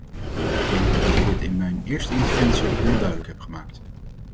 Ik denk dat ik dit in mijn eerste interventie al heel duidelijk heb gemaakt.